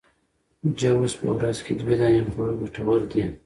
جوز په ورځ کي دوې دانې خوړل ګټور دي